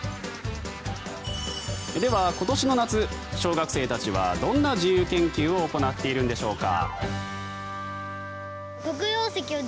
では、今年の夏、小学生たちはどんな自由研究を行っているんでしょうか。